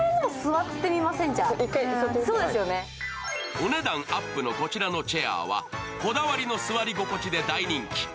お値段アップのこちらのチェアはこだわりの座り心地で大人気。